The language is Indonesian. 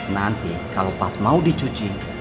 nanti kalau pas mau dicuci